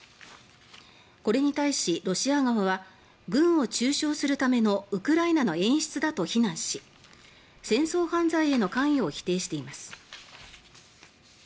これに対し、ロシア側は軍を中傷するためのウクライナの演出だと非難し戦争犯罪への関与を否定しています。